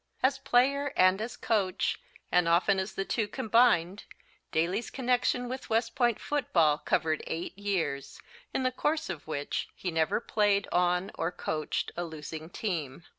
As player and as coach and often as the two combined, Daly's connection with West Point football covered eight years, in the course of which he never played on or coached a losing team.